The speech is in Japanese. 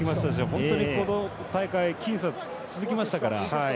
本当にこの大会僅差、続きましたから。